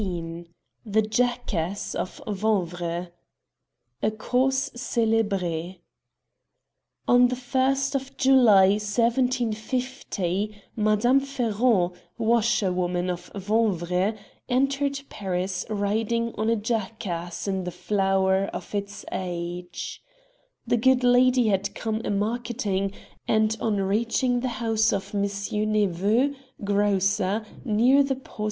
206 THE JACKASS OF VANVRES A CAUSE CEL^BRE On the 1st July 1750 Madame Ferron, washer woman of Vanvres, entered Paris riding on a jackass in the flower of its age. The good lady had come a marketing; and on reaching the house of M. Nepveux, grocer, near the Porte S.